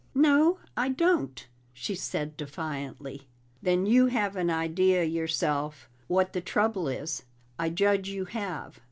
"No, I don't," she said defiantly. "Then you have an idea yourself what the trouble is? I judge you have."